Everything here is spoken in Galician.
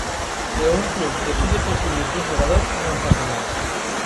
Se o un club decide prescindir dun xogador, non pasa nada.